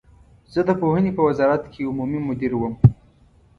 زه د پوهنې په وزارت کې عمومي مدیر وم.